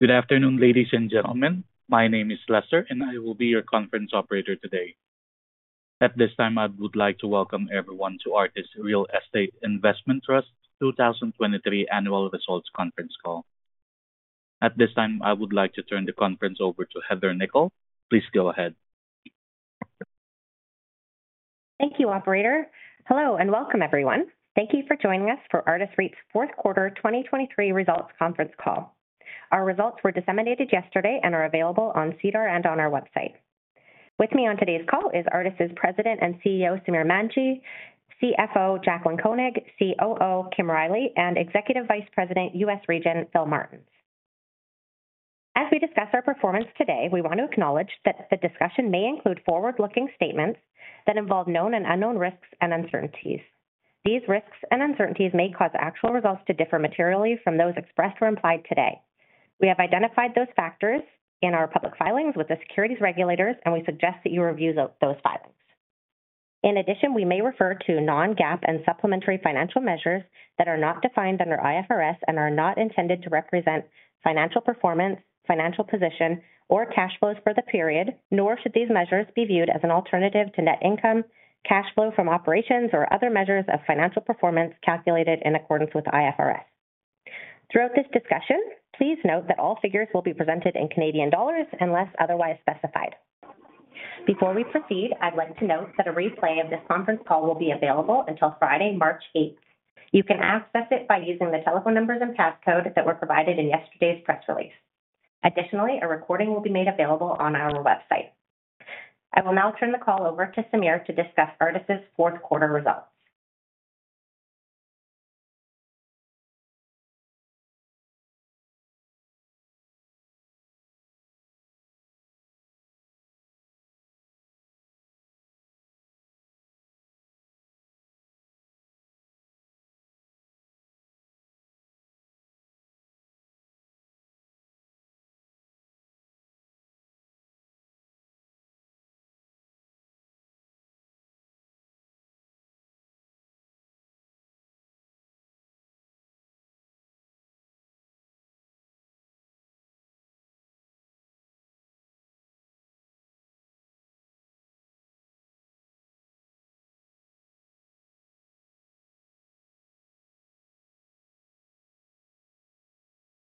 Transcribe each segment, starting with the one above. Good afternoon, ladies and gentlemen. My name is Lester, and I will be your conference operator today. At this time, I would like to welcome everyone to Artis Real Estate Investment Trust 2023 annual results conference call. At this time, I would like to turn the conference over to Heather Nikkel. Please go ahead. Thank you, operator. Hello, and welcome, everyone. Thank you for joining us for Artis REIT's fourth quarter 2023 results conference call. Our results were disseminated yesterday and are available on SEDAR and on our website. With me on today's call is Artis's President and CEO, Samir Manji, CFO, Jaclyn Koenig, COO, Kim Riley, and Executive Vice President, U.S. Region, Philip Martens. As we discuss our performance today, we want to acknowledge that the discussion may include forward-looking statements that involve known and unknown risks and uncertainties. These risks and uncertainties may cause actual results to differ materially from those expressed or implied today. We have identified those factors in our public filings with the securities regulators, and we suggest that you review those filings. In addition, we may refer to non-GAAP and supplementary financial measures that are not defined under IFRS and are not intended to represent financial performance, financial position, or cash flows for the period, nor should these measures be viewed as an alternative to net income, cash flow from operations, or other measures of financial performance calculated in accordance with IFRS. Throughout this discussion, please note that all figures will be presented in Canadian dollars unless otherwise specified. Before we proceed, I'd like to note that a replay of this conference call will be available until Friday, March 8th. You can access it by using the telephone numbers and passcode that were provided in yesterday's press release. Additionally, a recording will be made available on our website. I will now turn the call over to Samir to discuss Artis's fourth quarter results.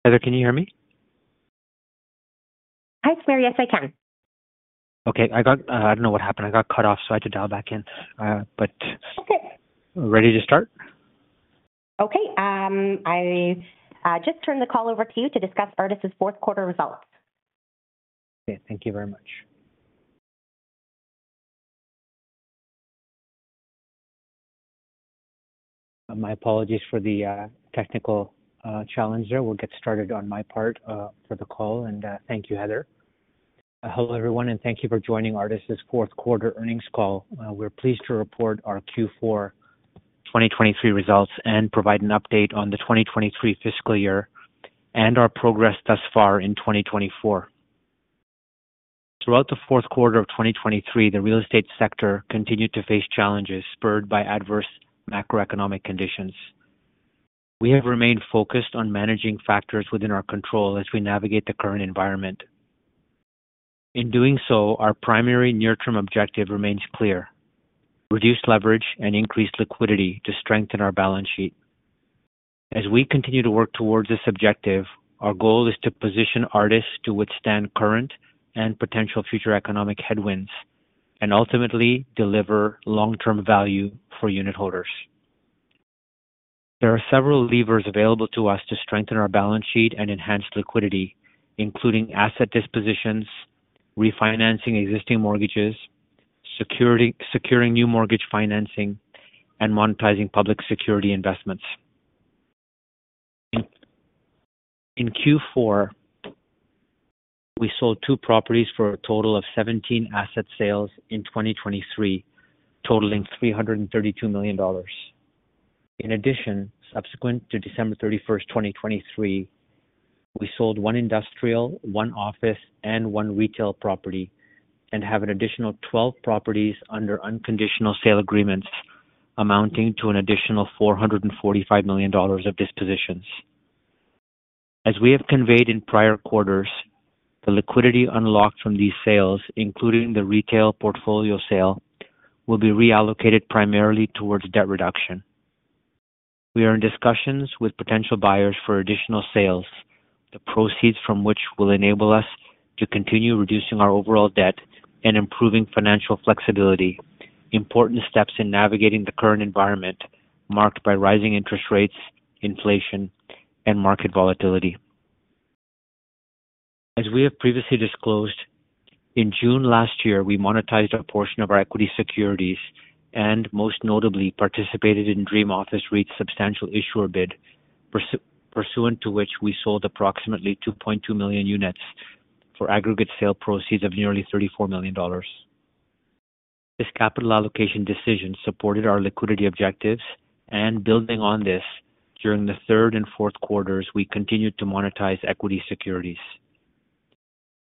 Heather, can you hear me? Hi, Samir. Yes, I can. Okay. I got, I don't know what happened. I got cut off, so I had to dial back in, but- Okay. Ready to start? Okay, I just turn the call over to you to discuss Artis's fourth quarter results. Okay. Thank you very much. My apologies for the technical challenge there. We'll get started on my part for the call, and thank you, Heather. Hello, everyone, and thank you for joining Artis's fourth quarter earnings call. We're pleased to report our Q4 2023 results and provide an update on the 2023 fiscal year and our progress thus far in 2024. Throughout the fourth quarter of 2023, the real estate sector continued to face challenges spurred by adverse macroeconomic conditions. We have remained focused on managing factors within our control as we navigate the current environment. In doing so, our primary near-term objective remains clear: reduce leverage and increase liquidity to strengthen our balance sheet. As we continue to work towards this objective, our goal is to position Artis to withstand current and potential future economic headwinds and ultimately deliver long-term value for unitholders. There are several levers available to us to strengthen our balance sheet and enhance liquidity, including asset dispositions, refinancing existing mortgages, securing new mortgage financing, and monetizing public security investments. In Q4, we sold two properties for a total of 17 asset sales in 2023, totaling 332 million dollars. In addition, subsequent to December 31, 2023, we sold one industrial, one office, and one retail property, and have an additional 12 properties under unconditional sale agreements, amounting to an additional 445 million dollars of dispositions. As we have conveyed in prior quarters, the liquidity unlocked from these sales, including the retail portfolio sale, will be reallocated primarily towards debt reduction. We are in discussions with potential buyers for additional sales, the proceeds from which will enable us to continue reducing our overall debt and improving financial flexibility, important steps in navigating the current environment, marked by rising interest rates, inflation, and market volatility. As we have previously disclosed, in June last year, we monetized a portion of our equity securities and most notably participated in Dream Office REIT's substantial issuer bid, pursuant to which we sold approximately 2.2 million units for aggregate sale proceeds of nearly 34 million dollars. This capital allocation decision supported our liquidity objectives, and building on this, during the third and fourth quarters, we continued to monetize equity securities.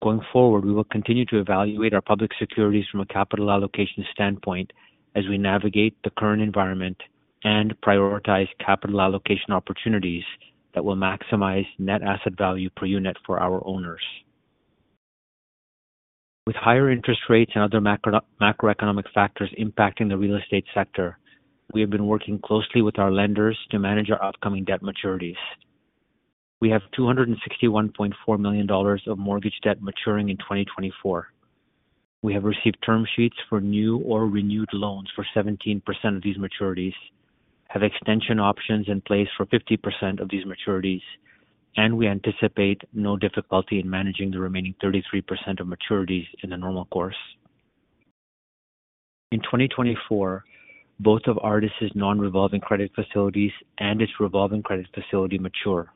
Going forward, we will continue to evaluate our public securities from a capital allocation standpoint as we navigate the current environment and prioritize capital allocation opportunities that will maximize net asset value per unit for our owners. With higher interest rates and other macro, macroeconomic factors impacting the real estate sector, we have been working closely with our lenders to manage our upcoming debt maturities. We have 261.4 million dollars of mortgage debt maturing in 2024. We have received term sheets for new or renewed loans for 17% of these maturities, have extension options in place for 50% of these maturities, and we anticipate no difficulty in managing the remaining 33% of maturities in the normal course. In 2024, both of Artis' non-revolving credit facilities and its revolving credit facility mature.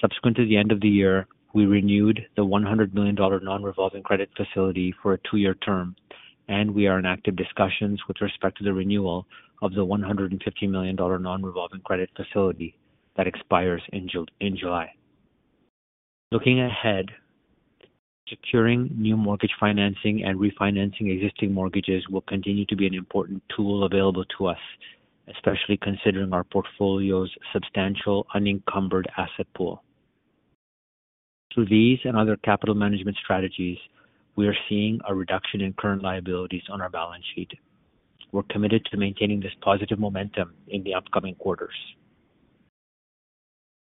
Subsequent to the end of the year, we renewed the 100 million dollar non-revolving credit facility for a two-year term, and we are in active discussions with respect to the renewal of the 150 million dollar non-revolving credit facility that expires in July. Looking ahead, securing new mortgage financing and refinancing existing mortgages will continue to be an important tool available to us, especially considering our portfolio's substantial unencumbered asset pool. Through these and other capital management strategies, we are seeing a reduction in current liabilities on our balance sheet. We're committed to maintaining this positive momentum in the upcoming quarters.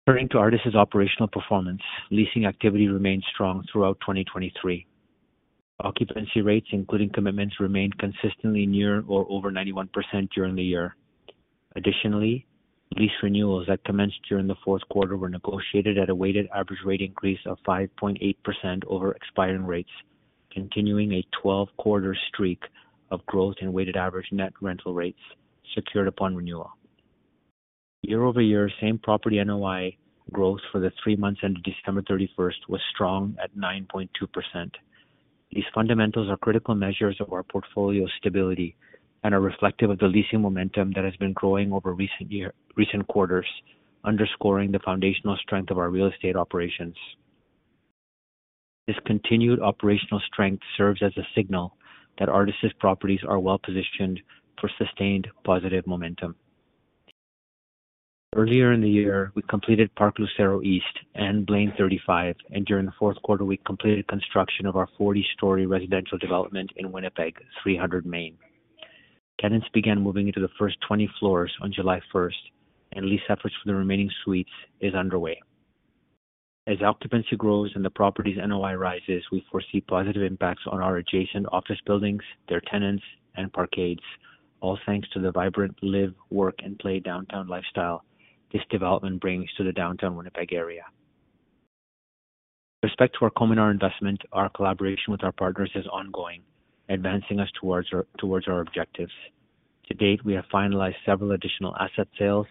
Turning to Artis's operational performance, leasing activity remained strong throughout 2023. Occupancy rates, including commitments, remained consistently near or over 91% during the year. Additionally, lease renewals that commenced during the fourth quarter were negotiated at a weighted average rate increase of 5.8% over expiring rates, continuing a 12-quarter streak of growth in weighted average net rental rates secured upon renewal. Year-over-year, same property NOI growth for the three months ended December 31st was strong at 9.2%. These fundamentals are critical measures of our portfolio stability and are reflective of the leasing momentum that has been growing over recent quarters, underscoring the foundational strength of our real estate operations. This continued operational strength serves as a signal that Artis's properties are well positioned for sustained positive momentum. Earlier in the year, we completed Park Lucero East and Blaine 35, and during the fourth quarter, we completed construction of our 40-story residential development in Winnipeg, 300 Main. Tenants began moving into the first 20 floors on July 1st, and lease efforts for the remaining suites is underway. As occupancy grows and the property's NOI rises, we foresee positive impacts on our adjacent office buildings, their tenants, and parkades, all thanks to the vibrant live, work, and play downtown lifestyle this development brings to the downtown Winnipeg area. With respect to our Cominar investment, our collaboration with our partners is ongoing, advancing us towards our objectives. To date, we have finalized several additional asset sales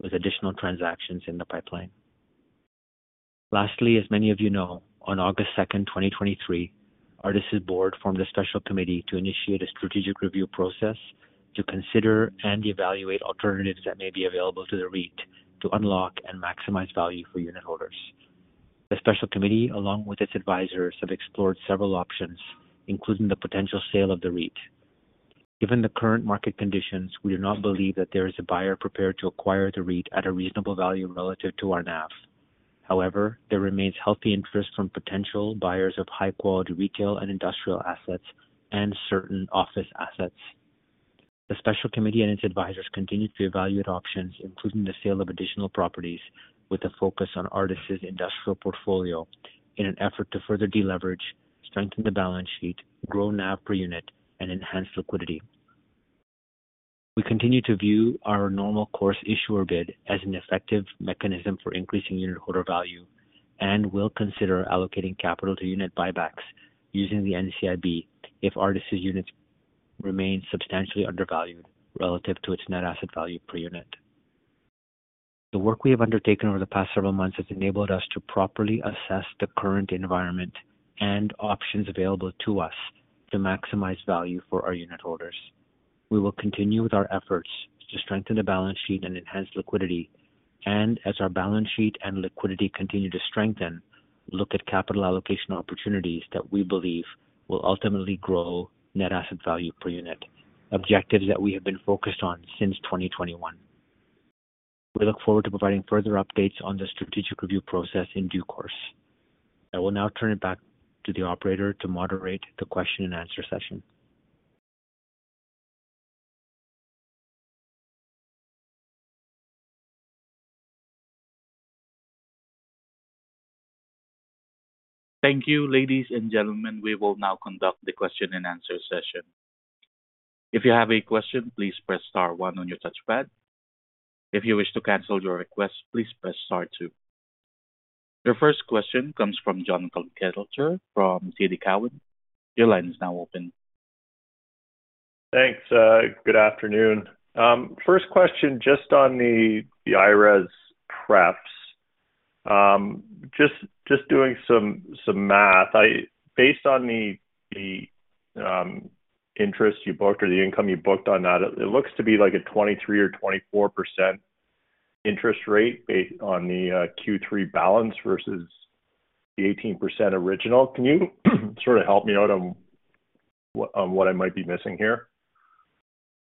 with additional transactions in the pipeline. Lastly, as many of you know, on August 2nd, 2023, Artis's board formed a special committee to initiate a strategic review process to consider and evaluate alternatives that may be available to the REIT to unlock and maximize value for unitholders. The special committee, along with its advisors, have explored several options, including the potential sale of the REIT. Given the current market conditions, we do not believe that there is a buyer prepared to acquire the REIT at a reasonable value relative to our NAV. However, there remains healthy interest from potential buyers of high-quality retail and industrial assets and certain office assets. The special committee and its advisors continue to evaluate options, including the sale of additional properties, with a focus on Artis's industrial portfolio, in an effort to further deleverage, strengthen the balance sheet, grow NAV per unit, and enhance liquidity. We continue to view our normal course issuer bid as an effective mechanism for increasing unitholder value and will consider allocating capital to unit buybacks using the NCIB if Artis's units remain substantially undervalued relative to its net asset value per unit. The work we have undertaken over the past several months has enabled us to properly assess the current environment and options available to us to maximize value for our unitholders. We will continue with our efforts to strengthen the balance sheet and enhance liquidity, and as our balance sheet and liquidity continue to strengthen, look at capital allocation opportunities that we believe will ultimately grow net asset value per unit, objectives that we have been focused on since 2021. We look forward to providing further updates on the strategic review process in due course. I will now turn it back to the operator to moderate the question and answer session. Thank you, ladies and gentlemen. We will now conduct the question-and-answer session. If you have a question, please press star one on your touchpad. If you wish to cancel your request, please press star two. Your first question comes from Jonathan Kelcher from TD Cowen. Your line is now open. Thanks, good afternoon. First question, just on the IRES Prefs. Just doing some math. Based on the interest you booked or the income you booked on that, it looks to be like a 23% or 24% interest rate based on the Q3 balance versus the 18% original. Can you sort of help me out on what I might be missing here?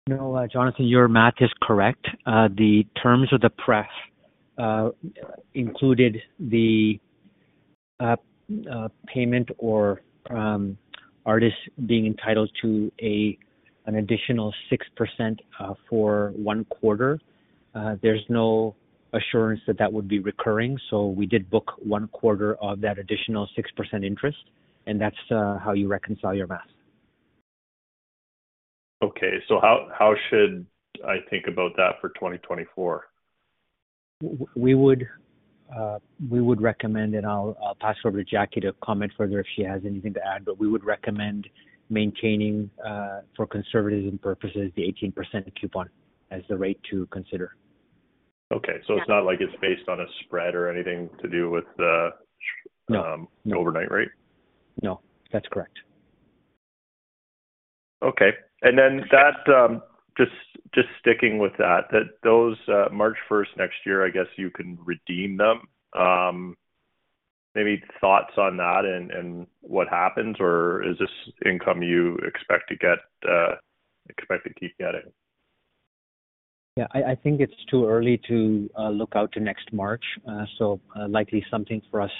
No, Jonathan, your math is correct. The terms of the Pref included the payment or Artis being entitled to an additional 6% for one quarter. There's no assurance that that would be recurring, so we did book one quarter of that additional 6% interest, and that's how you reconcile your math. Okay. So how, how should I think about that for 2024? We would recommend, and I'll, I'll pass over to Jackie to comment further if she has anything to add, but we would recommend maintaining, for conservatism purposes, the 18% coupon as the rate to consider. Okay. Yeah. So it's not like it's based on a spread or anything to do with the, No. - overnight rate? No, that's correct. Okay. And then that, just sticking with that, those March first next year, I guess you can redeem them. Maybe thoughts on that and what happens, or is this income you expect to get, expect to keep getting? Yeah, I think it's too early to look out to next March. So, likely something for us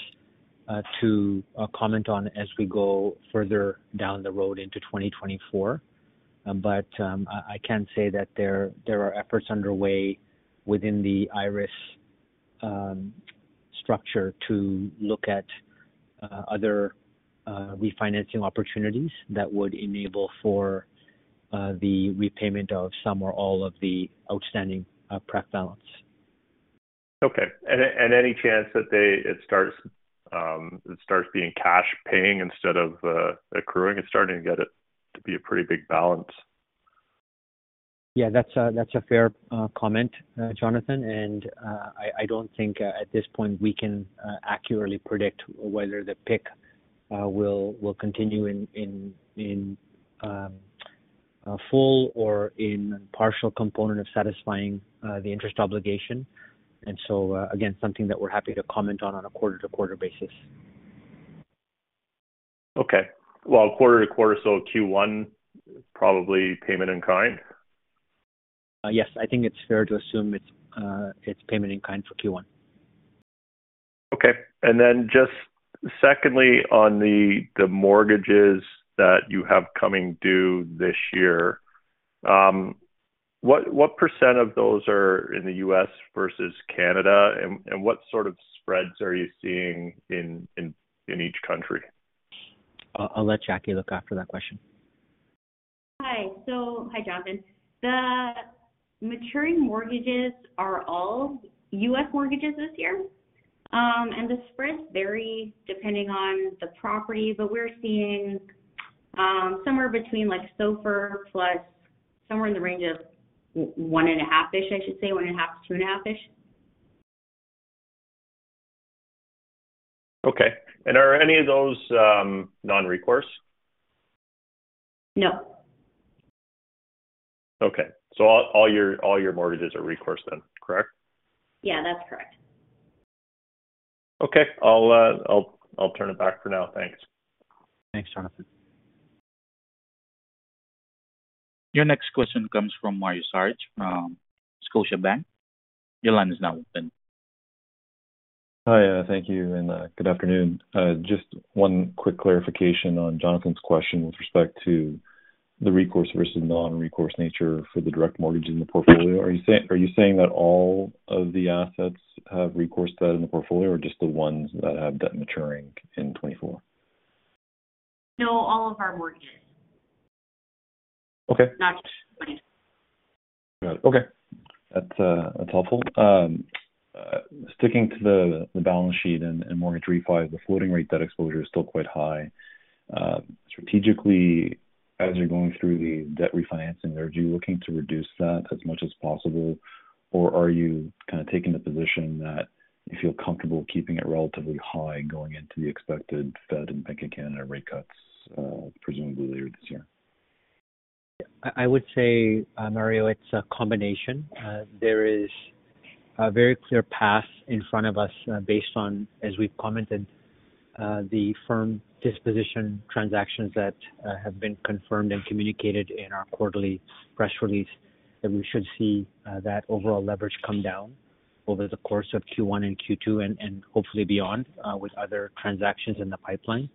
to comment on as we go further down the road into 2024. But, I can say that there are efforts underway within the IRES structure to look at other refinancing opportunities that would enable for the repayment of some or all of the outstanding PREF balance. Okay. And any chance that it starts being cash paying instead of accruing? It's starting to get it to be a pretty big balance. Yeah, that's a, that's a fair comment, Jonathan, and I don't think at this point we can accurately predict whether the PIK will continue in full or in partial component of satisfying the interest obligation. And so, again, something that we're happy to comment on a quarter-to-quarter basis. Okay. Well, quarter to quarter, so Q1, probably payment in kind? Yes, I think it's fair to assume it's payment in kind for Q1. Okay. And then just secondly, on the mortgages that you have coming due this year, what percent of those are in the U.S. versus Canada? And what sort of spreads are you seeing in each country? I'll let Jackie look after that question. Hi. Hi, Jonathan. The maturing mortgages are all U.S. mortgages this year. And the spreads vary depending on the property, but we're seeing somewhere between like SOFR plus somewhere in the range of 0-1.5-ish, I should say, 1.5-2.5-ish. Okay. And are any of those, non-recourse? No. Okay. So all your mortgages are recourse then, correct? Yeah, that's correct. Okay, I'll turn it back for now. Thanks. Thanks, Jonathan. Your next question comes from Mario Saric, from Scotiabank. Your line is now open. Hi, thank you, and, good afternoon. Just one quick clarification on Jonathan's question with respect to the recourse versus non-recourse nature for the direct mortgages in the portfolio. Are you saying that all of the assets have recourse debt in the portfolio, or just the ones that have debt maturing in 2024? No, all of our mortgages. Okay. Not- Got it. Okay. That's, that's helpful. Sticking to the, the balance sheet and, and mortgage refi, the floating rate, that exposure is still quite high. Strategically, as you're going through the debt refinancing there, are you looking to reduce that as much as possible? Or are you kind of taking the position that you feel comfortable keeping it relatively high going into the expected Fed and Bank of Canada rate cuts, presumably later this year? I would say, Mario, it's a combination. There is a very clear path in front of us, based on, as we've commented, the firm disposition transactions that have been confirmed and communicated in our quarterly press release, that we should see that overall leverage come down over the course of Q1 and Q2, and hopefully beyond, with other transactions in the pipeline.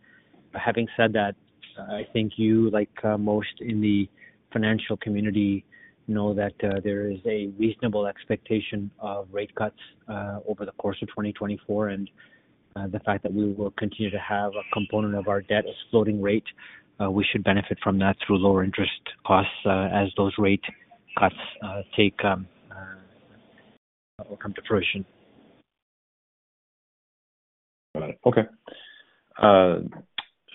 Having said that, I think you, like most in the financial community, know that there is a reasonable expectation of rate cuts over the course of 2024, and the fact that we will continue to have a component of our debt as floating rate, we should benefit from that through lower interest costs, as those rate cuts take or come to fruition. Got it. Okay.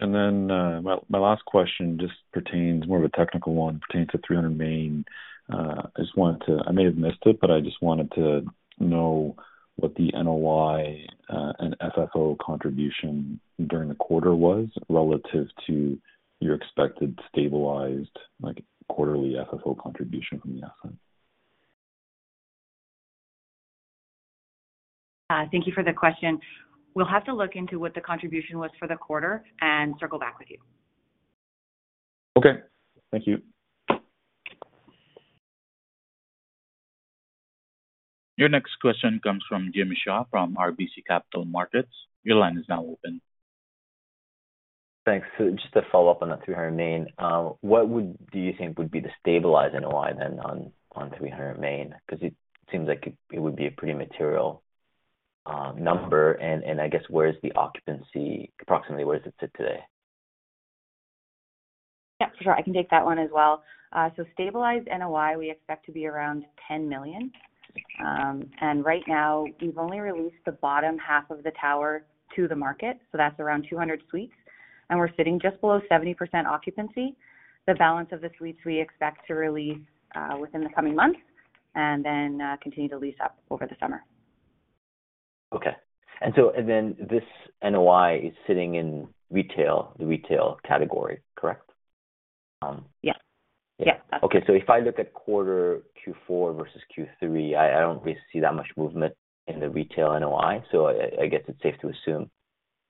And then, my last question just pertains more of a technical one, pertains to 300 Main. I just wanted to... I may have missed it, but I just wanted to know what the NOI and FFO contribution during the quarter was relative to your expected stabilized, like, quarterly FFO contribution from the asset? Thank you for the question. We'll have to look into what the contribution was for the quarter and circle back with you. Okay, thank you. Your next question comes from Jimmy Shan from RBC Capital Markets. Your line is now open. Thanks. So just to follow up on the 300 Main, what would, do you think, would be the stabilizing NOI then on, on 300 Main? Because it seems like it, it would be a pretty material number. And, and I guess where is the occupancy, approximately, where does it sit today? Yeah, sure. I can take that one as well. So stabilized NOI, we expect to be around 10 million. And right now, we've only released the bottom half of the tower to the market, so that's around 200 suites, and we're sitting just below 70% occupancy. The balance of the suites we expect to release within the coming months, and then continue to lease up over the summer. Okay. And so, and then this NOI is sitting in retail, the retail category, correct? Yeah. Yeah. Okay. So if I look at quarter Q4 versus Q3, I don't really see that much movement in the retail NOI, so I guess it's safe to assume,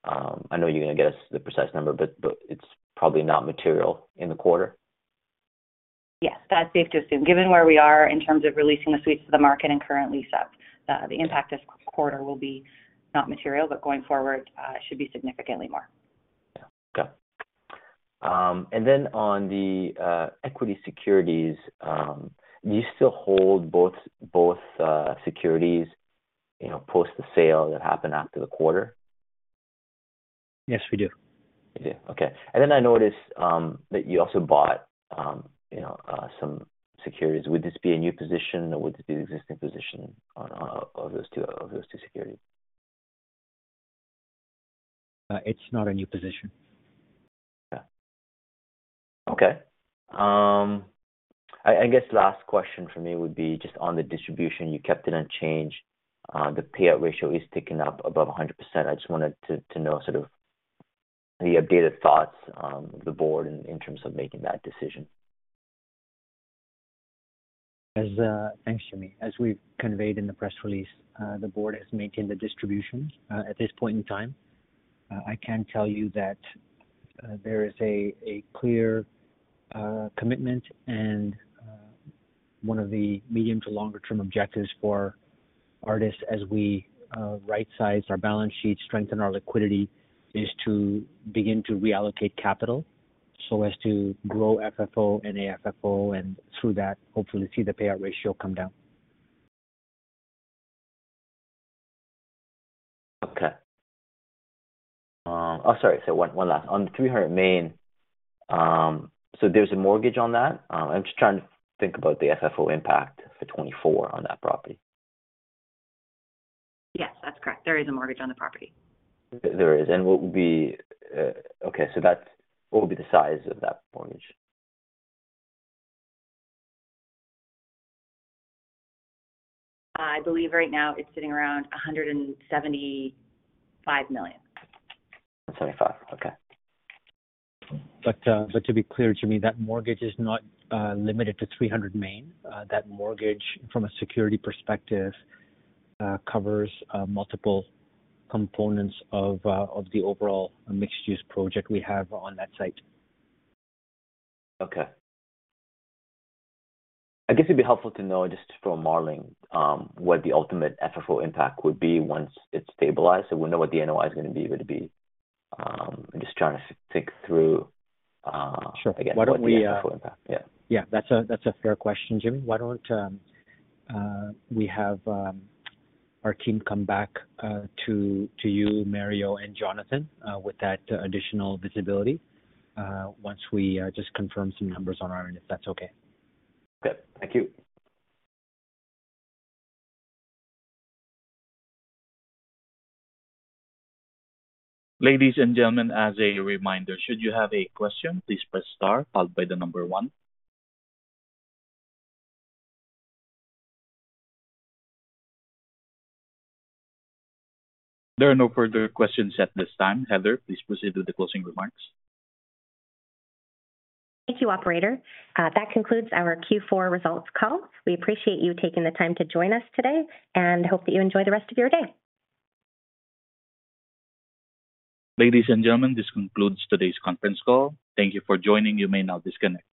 I know you're gonna get us the precise number, but it's probably not material in the quarter. Yes, that's safe to assume. Given where we are in terms of releasing the suites to the market and current lease up, the impact this quarter will be not material, but going forward, should be significantly more. Yeah. Okay. And then on the equity securities, do you still hold both, both, securities, you know, post the sale that happened after the quarter? Yes, we do. You do. Okay. And then I noticed that you also bought, you know, some securities. Would this be a new position or would this be an existing position on of those two securities? It's not a new position. Yeah. Okay. I guess last question from me would be just on the distribution. You kept it unchanged. The payout ratio is ticking up above 100%. I just wanted to know sort of the updated thoughts on the board in terms of making that decision. Thanks, Jimmy. As we've conveyed in the press release, the board has maintained the distributions, at this point in time. I can tell you that, there is a clear commitment and, one of the medium to longer term objectives for Artis as we right-size our balance sheet, strengthen our liquidity, is to begin to reallocate capital so as to grow FFO and AFFO, and through that, hopefully see the payout ratio come down. Okay. Sorry, so one last. On 300 Main, so there's a mortgage on that? I'm just trying to think about the FFO impact for 2024 on that property. Yes, that's correct. There is a mortgage on the property. There is. And what would be, okay, so that's, what would be the size of that mortgage? I believe right now it's sitting around 175 million. 175. Okay. But to be clear, Jimmy, that mortgage is not limited to 300 Main. That mortgage, from a security perspective, covers multiple components of the overall mixed-use project we have on that site. Okay. I guess it'd be helpful to know, just for modeling, what the ultimate FFO impact would be once it's stabilized, so we know what the NOI is gonna be, would it be, I'm just trying to think through, Sure. Again, what the impact, yeah. Yeah, that's a fair question, Jimmy. Why don't we have our team come back to you, Mario, and Jonathan with that additional visibility once we just confirm some numbers on our end, if that's okay. Okay. Thank you. Ladies and gentlemen, as a reminder, should you have a question, please press star followed by the number one. There are no further questions at this time. Heather, please proceed with the closing remarks. Thank you, operator. That concludes our Q4 results call. We appreciate you taking the time to join us today, and hope that you enjoy the rest of your day. Ladies and gentlemen, this concludes today's conference call. Thank you for joining. You may now disconnect.